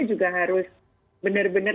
juga harus benar benar